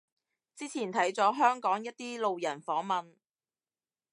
之前睇咗香港一啲路人訪問